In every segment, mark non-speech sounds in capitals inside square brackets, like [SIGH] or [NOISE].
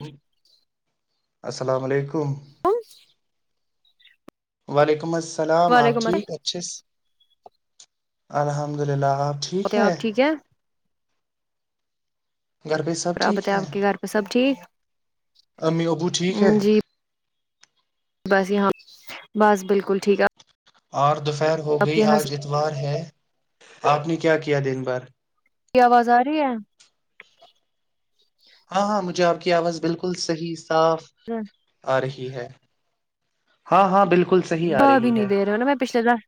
ہوں السلام علیکم [INAUDIBLE] وعلیکم الس سلام آپ وعلیکم ٹھیک اچھے سے الحمد للہ آپ ٹھیک السلام ہے آپ اور گھر پہ سب اورا بت ٹھیک ہے آپ کے گھر پہ سب ٹھیک امی ابو ٹھیک ہے جی بس یہ ہاں بس بالکل ٹھیک ہے اور دوپہر ہو آپ کے گئی یہاں آج اتوار ہے آپ نے کیا کیا دن بار کی آواز آ رہی ہے ہاں ہاں مجھے آپ کی آواز بالکل صح صاف آ ہے ہاں ہاں بالکل صحیح آ باہ بھی رہی نہیں ہے دے رہا ہوا میں پچھل دس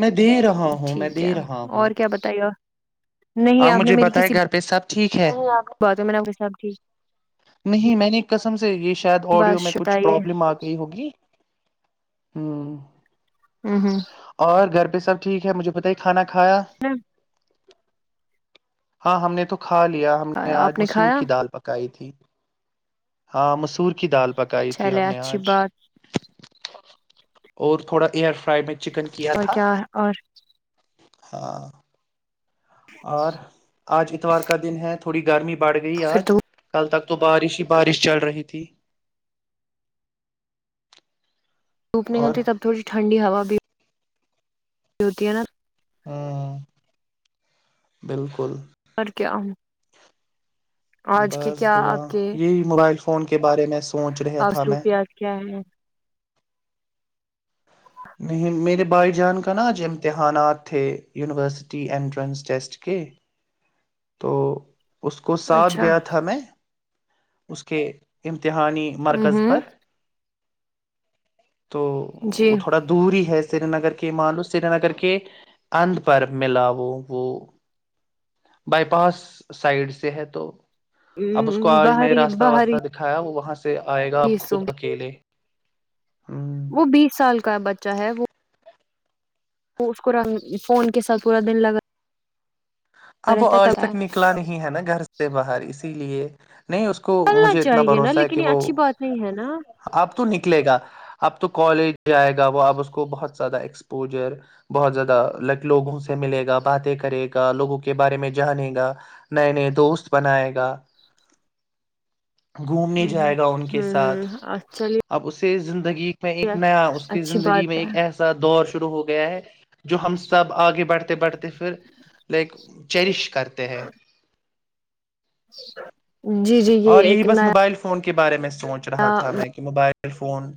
میں دے رہا ہوں میں ٹھیک دے ہے رہا ہوں اور کیا بتائیے آپ مجھے بتیں گھر پہ سب ٹھیک ہے بہت ہے میں نام کے ساتب ٹھیک نہیں میں نے ایک قسم سے یہ شاید آڈیو بس میں کچھ بتائیے پرابلم آ گئی ہوگی ہوں ہوں اور گھر پ سب ٹیک ہےجھے بتائی کانا کا کھایا ہاں ہم نے تو کھا لیا ہم نے آپ آج مسور کھایا کی دال پکائی تھی [INAUDIBLE] ہاں مسور کی دال پکائی تھی چلے ہم نے اچھی آج بات اور تھوڑا ایئر فرائی میں چکن اور تھا کیا اور ہاں اور آج اتوار کا دن ہے تھوڑی گرمی بھی بڑ گئی پھر آج تو کل تک تو بارش ہی بارش چل رہی تھی دوپ نہیں اور ہوتی تب تھوڑی ٹھنڈی ہوا [UNINTELLIGIBLE] جوتیانر ہ بالکل اور کیا آج کے بس کیا دعا یہی ملائل فون کے بارے میں سوچ رہا اور تھا سو میں پیاز کیا ہے نہیں میرے بھائی جان کا ناج امتحانات تھے یونیورسٹی انٹرنس ٹیسٹ کے تو اس کو ساتھ اچھا گیا تھا میں اس کے ایم امتحانی ہ مرکز ہ پر تو جی وہ تھوڑا دور ہی ہے سری نگر کے معانو سری نگر کے اند پر ملا وہ وہ بائی پاس سائڈ سے ہے تو اب اس کو آج میں نے باہری راستہ باہری واسہ دکھایا وہاں سے سے آئے گا آپ خود حصوں میں اکیلے ہ وہ بیس سال کا بچہ ہے وہ اس کو رنگ فون کے ساتھ پورا دن لگا اب وہ رہتا ہے آج تب تک نکلا نہیں ہے نا گھر سے باہر اس اسی لیے نہیں اس کو چلنا مجھے اتنا چاہیے نا بھروسہ ہے لیکن کہ یہ وہ اچھی بات نہیں ہے نا اب تو نکلے گا اب تو کالج جائے گا وہ اب اس کو بہت زیادہ ایکسپوجر بہت زیادہ لائک لوگوں سے ملے گا باتیں کرے گا لوگوں کے کے بارے میں جانے گا نئے نئے دوست بنائے گا گھومنے ہ جائے گا ان کے ساتھ ہ ہ چلیے اب اسے زندہ کی میں ایک نیا اس کی اچھی زندگی میں بات ایک ہے ایسا دور شروع ہو گیا ہے جو ہم سب آگے بڑھتے بڑھتے پھر لائک چیریش کرتے ہیں جی جی یہ اور ایک یہی بس نیا موبائل فون بارے میں سوچ رہا تھا میں کہ موبائل موبائل فون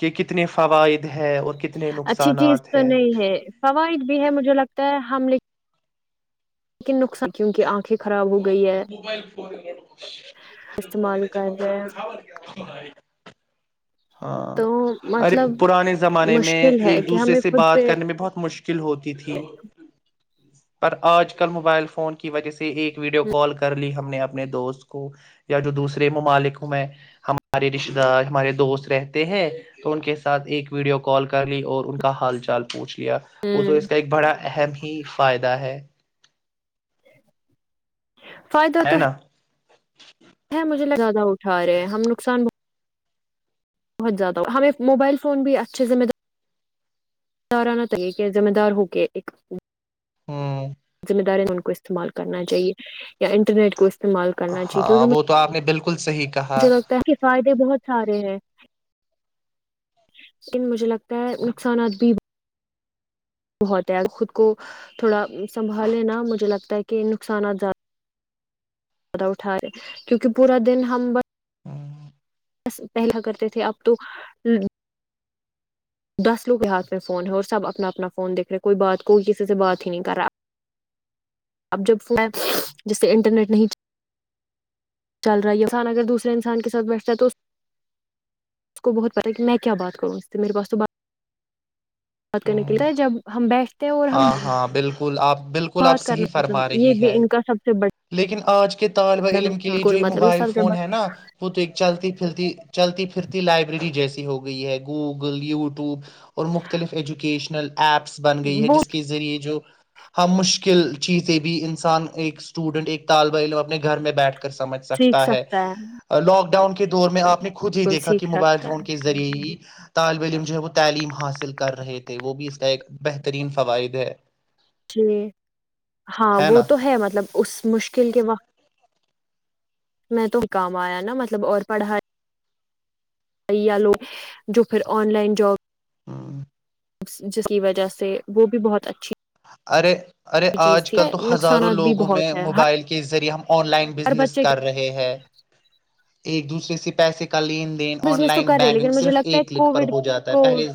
کے کتنے فوائد ہے اور کتنے اچھی چیز نقصانات تو نہیں ہے فوائد بھی ہے مجھے لگتا ہے ہم لیکن کن کیونکہ آنکھیں خراب ہو گئی ہے [INAUDIBLE] استعمال کر رہے ہیں [INAUDIBLE] ہاں تو ارے مطلب پرانے زمانے میں مشکل ہے ایک کہ دوسرے ہمیں سے خود بات پہ کرنے میں بہت مشکل مشکل ہوتی تھی پر آج کل موبائل فون کی وجہ سے ایک ویڈیو کال کر لی ہم نے اپنے دوست کو یا جو دوسرے ممالک ہوں میں ہمارے رشتے دار ہمارے دوست رہتے ہیں تو ان کے ساتھ ایک ویڈیو کال کر لی اور ان کا حال چال پوچھ ل لیا وہ تو ہ اس کا ایک بڑا اہم ہی فائدہ ہے فائدہ تو ہے مجھے زیادہ اٹھا رہے ہیں ہم نقصانہ بہت زیادہ اور ہمیں موبائل فون بھی اچھے ذمہ دار دار نہ طریقے سے ذمہ دار ہو کے ایک ہوں ذمہ داری ان استعمال کرنا چاہیے یا انٹرنیٹ کو اسع استعمال کرنا چاہیے کیکہ ہاں وہ تو آپ نے بالکل صحیح کہا مجھے لگتا ہے فائدے بہت سارے ہیں لن مجھے لگتا ہے نقصانات بھی بہت ہے ا خود کو تھوڑا سنبھال لے نا مجھے لگتا ہے کہ نقصانات زیادہ زیادہ اٹھاے کیونکہ پورا دن ہم بس ہوں بس پہلا کرتے تھے اب تو دس لوگ کے ہاتھ میں فون ہے اور سب اپنا اپنا فون دیکھ رہے کوئی بات کوئی کسی سے بات ہی نہیں کر رہا اب جب فون جسے انٹرنیٹ نہیں چل رہا ہے انسان اگر دوسرے انسان کے ساتھ بیٹھتا ہے تو اس کو بہت پتاہ ہے کہ میں کیا بات کروں اس سے میرے پاس توات بات کرنے کے ہوں لی جب ہم بیٹھ ہاں ہاں بالکل کل آپ بالکل آپ بات کرنا صحیح مطلب فرما یہ رہی بھی ہے ان کا سب سے بڑا لیکن آج کے طالب علم کے لیے جو نقصان یہ مطلب موبائل سب سے فون ہے نا وہ تو ایک چلتی پھرتی چلتی پھرتی لائبریری جیسی ہو گئی ہے گوگل یوٹیوب اور مختلف ایجوکیشن [INAUDIBLE] ایپس بن گئی ہے بڑا، وہ جس کے ذریعے جو ہم مشکل چیزیں بھی انسان ایک اسٹوڈنٹ ایک طالب علم اپنے گھر میں بیٹھ سمجھ سکتا ہے لاک ڈاؤن کے دور میں آپ نے خود ہی بالکل دیکا کہ سیکھ موبائل سکتا فون کے ذریعے ہی طالب علم جو ہے وہ تعلیم حاصل کر رہے تھے وہ بھی اس کا ایک بہترین فوائد ہے ج ہاں وہ تو ہے مطلب اس مشکل کے وقت میں تو کام آیا نا مطلب اور پڑھائی پڑھ یا لوگ جو پھر آن لائن جاب ہ جس کی وجہ سے وہ بھی بہت اچھی ارے ارے آج چیز تھی کل تو ہزاروں نقصانات بھی لوگوں میں بہت ہے موبائل کے ذریعے ہم آن لائن ہر بزنس بچے کر رہے ہیں ایک دوسرے سے پیسے کا لین دین آن بزنس تو لائن کر رہے بینکنگ لیکن مجھے صرف لگتا ہے ایک کلک پر کووڈ ہو جاتا ہے کو پہلے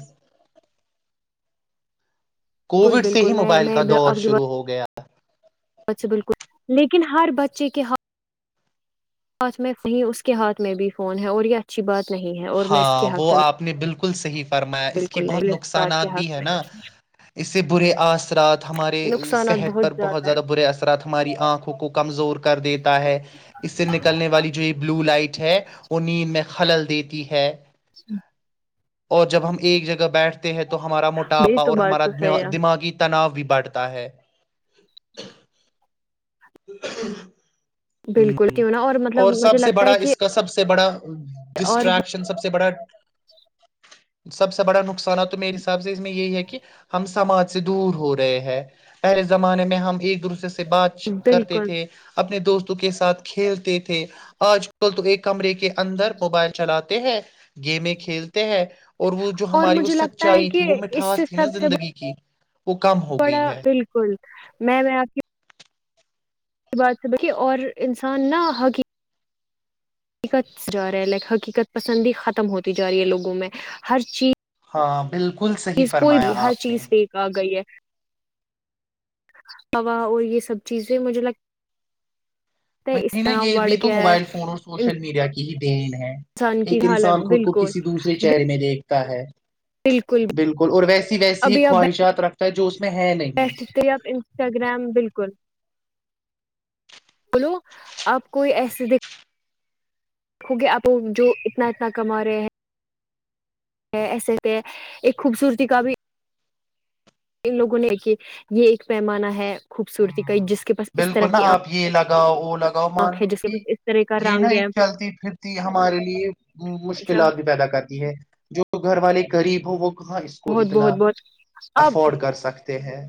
بالکل کووڈ سے بالکل ہی میں موبائل کا دور شروع ہو گیا [INAUDIBLE] ب بالکل لیکن ہر بچے کے ہاتھ میں اس کے ہاتھ میں بھی فون ہے اور یہ اچھی بات نہیں ہے اور میں اس کے ہاں حق وہ میں آپ نے بالکل بکل صحیح فرمایا اس کی بالکل بہت نہیں اس بات نقصانات کے بھی حق ہے میں نا اس سے برے اثرات ہمارے صحت پر بہت زیادہ برے اثرات ہماری آنکھوں کو کمزور کر دیتا ہے اس سے نکلنے والی جو یہ بلو لائٹ ہے وہ نیند میں خلل دیید تی ہے اور جب ہم ایک جگہ بیٹھ [INAUDIBLE] تو ہمارا ہے یہ موٹاپا تو اور بات ہمارا تو صحیح ہے دماغی تناؤ بھی بھتا ہے [INAUDIBLE] بالکل کیوں نا اور مطلب مجھے سب سے لگتا بڑا ہے کہ اس کا سب سے بڑا اور ڈسٹریکشن سب سے بڑا سب سے بڑا نقصانات تو میرے حساب سے اس میں یہی ہے کہ ہم سماج سے دور ہو رہے ہیں پہلے زمانے میں ہم ایک دوسرے سے بات کرتے بالکل تھے اپنے دوست کے ساتھ کھیلتے تھے آج کل تو ایک کمرے کے اندر موبائل چلاتے ہیں گیمیں کھیلتے ہیں اور وہ جو اور ہماری وہ مجھے لگتا ہے سچائی کہ تھی وہ مٹھاس تھی نا زندگی کی وہ کم ہو تھوڑا گئی ہے بالکل میں میں آپ کی اس بات سے اور انسان نہا حقی حقیقت جا رہا ہے لائک حقیقت پسندی ختم ہوتی جا رہی ہے لوگوں میں ہر چیز ہاں بالکل صحیح چیز کوئی بھی فرمایا ہر آپ نے چیز ل کے آ گئی ہے ہوا اور یہ سب چیزیں مجھے لگ نا یہ بھی تو موبائل فون اور سوشل میڈیا کی [INAUDIBLE] [INAUDIBLE] انسان کی ایک حالت انسان خود کو بالکل کسی دوسرے چہر میں دیکھ [INAUDIBLE] بالکل اور ویسی ویسی ہی خواہشات رکھ جو [INAUDIBLE] نہیں پستب انسٹاگرام بالکل بولو آپ کوئی ایسے دو گے آپ جو اتنا اتنا کما رہے ہیں ایسے سے ایک خوبصورتی کا بھی ان لوگوں نے کہ یہ ایک پیمانہ ہے خوبصورتی کا جس کے پا اس طرح کی آ اور لگاؤ مان لو کہ کا یہ رنگ نہا ہے چلتی پھرتی ہمارے لیے مطلب مشکلات بھی پیدا کرتی ہے جو گھر والے کے ریب ہو وہ کہاں اس کو بہت اتنا بہت بہت اب افورڈ کر سکتے ہیں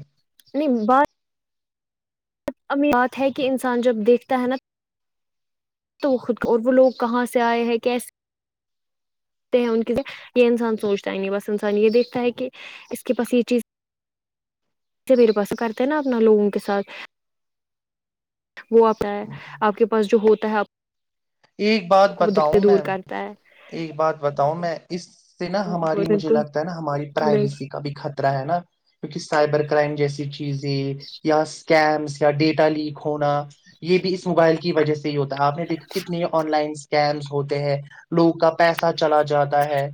ام بات ہے کہ انسان جب دیکھتا ہے نا تو وہ خود کو اور وہ لوگ کہاں سے آئے ہیں کیسےتے ہیں ان کے یہ انسان سوچتا ہی نہیں بس انسان یہ دیکھتا ہے کہ اس کے پاس یہ چیز میرے پاس کرتے ہیں نا اپنا لوگوں کے ساتھ وہ آتا ہے آپ کے پاس جو ہوتا ہے ایک بات کو وہ بتاؤں دکھتے دور میں کرتا ہے ایک بات بتاؤں میں اس سے نا ہماری مجھے بالکل لگتا ہے نا ہماری پرائیویسی کا بھی خرہ رہ ہے نا کیکہ سائبر کرائم جیسی چیزیں یا اسکیمس یا ڈیٹا لیک ہونا یہ بھی اس موبائل کی وجہ سے ہی ہوتا آپ نے دیکھا آن لائن اسکمس ہوتے ہیں لوگ کا پیسہ چلا جاتا ہے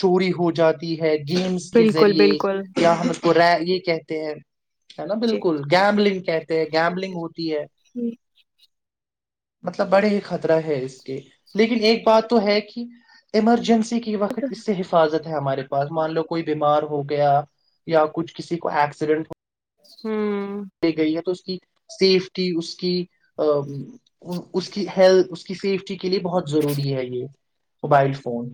چور ہو جاتی ہے گیمس کے بالکل بالکل ذریعے ہم پا یہ کہتے ہیں ہے نا جی بالکل گیبلنگ کہتے ہیں گیملنگ ہوتی ہے ہوں مطلب بڑے ہی خطر ہے اس کے لیکن ایک بات تو ہے کہ ایمرجنسی کی وقت اس سے حفاظت ہمارے پاس مان لو کوئی بیمار ہو گیا یا کچھ کسی کو ایکسیڈنٹ ہو ہاں دیے گئی ہے تو اس کی سیفٹی اس کی اس کی ہیلتھ اس کی سیفٹی کے لیے بہت ضروری ہے یہ موبائل فون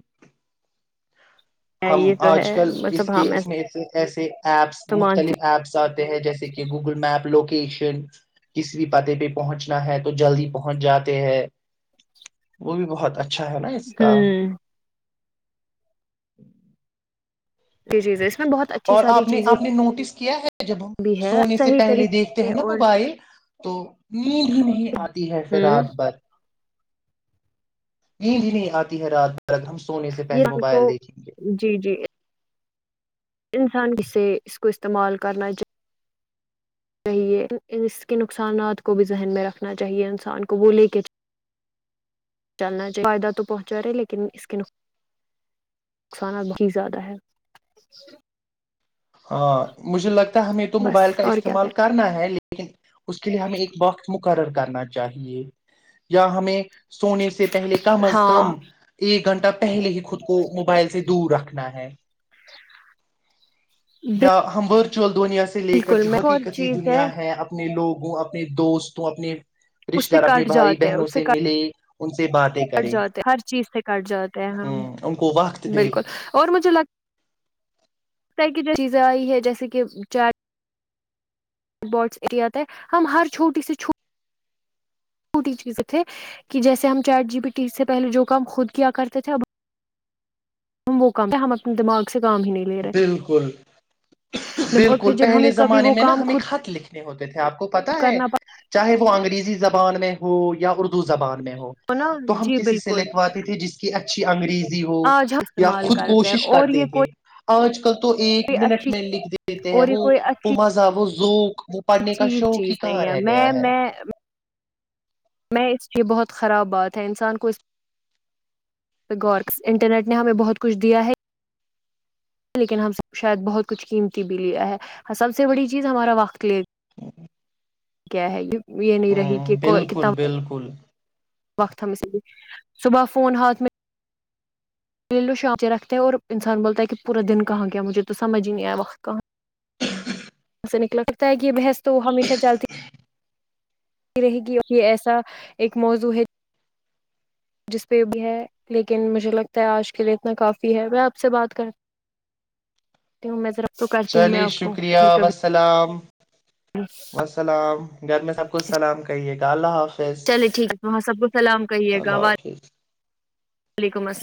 ہم یہ تو آج ہے کل اس مطلب ہاں کے اس میں ایسے ایپس تو مانتی مختلف ایپس اور ہیں جیسے کہ گوگل میپ لوکیشن کسی بھی پتے پہ پہنچنا ہے تو جلدی پہنچ جاتے ہیں وہ بھی بہت اچھا اچھا ہے نا اس کا ہوں [UNINTELLIGIBLE] جی جی ج اور آپ نے آپ نے نوٹس کیا ہے جب ہم بھی ہے سونے سے صحیح پہلے طریقے دیکھتے سے ہیں نا اور موبائل تو نیند ہی نہیں آتی ہے پھر ہوں رات بھر نیند بھی نہیں آتی ہے رات ہم سونے سے یہ پہلے ان کو موبائل دیکھیں گے جی جی انسان ک سے اس کو استعمال کرنا چاہی چے اس کے نقصانات کو بھی ذہن میں رکھنا چاہیے انسان کو وہ لے کے چلنا چ فائدہ تو پہنچا رہے لیکن اس کے نقصانات بہت ہی زیادہ ہے ہاں مجھے لگتا ہمیں تو بس موبائل کا اور کیا استعمال کریں کرنا ہے لیکن ٹھیک ہے اس کے لیے ہمیں ایک باکس م کرر کرنا چاہیے یا ہمیں سونے سے پہلے کم از کم ہاں ایک گھنٹہ پہلے ہی خود کو موبائل سے دور رکھنا ہے یا ہممبر دنیا سے لے کر بالکل جو میں ایک اور حقیقتی چیز دنیا ہے اپنے لوگ اپنے دوستوں اپنے اس رشتے سے دار اپنے کٹ بھائی جاتے ہیں بہنوں اس سے ملے ان سے باتیں کٹ کریں جاتے ہر چیز سے کٹ جاتے ہیں ہ ان کو وقت ہاں دے بالکل اور مجھے لگ لتا ہے کہ جیسے چیزیں آئی ہے جیسے کہ چارٹ باٹس ایریا تھے ہم ہر چھوٹی سے چھوٹ چھوٹی چیزیں تھے کہ جیسے ہم چارٹ جی بی ٹی سے پہلے جو کام خود کیا کرتے تھے اب ہم وہ کام ہم اپنے دماغ سے کام ہی نہیں لے رہے بالکل اور پھر بالکل جب پہلے ہمیں کبھی زمانے وہ میں نا کام ہم ایک خود خط لکھ نہیںت تھے آپ کو پتا ہے کرنا چاہے وہ انگریزی سے زبان میں ہو یا اردو زبان میں ہو پڑ نا تو ہم جی کسی سے بالکل لکھواتے تھے جس کی اچھا اچی انگریز ہو آج ہم یا استعمال خود کرتے ہیں کوشش اور یہ کرتے تھے آج کل تو ایک کوئی منٹ اچھی میں لکھ دیتے ہیں وہ اما زاو فزوق ک چز چیز نہیں ہے میں میں میں اس لی بہت خراب بات ہے انسان کو اسہ غور انٹرنیٹ نے ہمیں بہت کچھ دیا ہے لیکن ہم شاید بہت کچھ قیمتی بھی لیا ہے سب سے بڑی چیز ہمارا واقت کیا ہے یہ یہ نہیں ہ رہی کہ کو بالکل کتانا بالکل وقت میںے صبح فون ہات میں لو شام سے رکھتے ہیں اور انسان بولتا ہے کہ پورا دن کہاں گ مجھے تو سمجھ ہی نہیں آیا وقت کہاں س نکل پگے بہ تو وہ ہمیشہ جلد رہے گی یہ ایسا ایک موضوع ہے جس پہ بھی ہے لیکن مجھے لگتا ہے آج کے لیے اتنا کافی ہے میں آپ سے بات کرتی ہوں میں ذرا تو کرتی ہوں میں چلے آپ کو شکریہ پھر کبھی والسلام وسسلام گھر میں سب کچھ سلام کہیے کہ ڈالا چلیے ٹھیک ہے تو سب کوچ سلام کہیے اللہ گا حافظ وعلیکم السلام